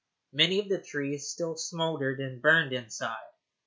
Many of the trees still smouldered and burned inside.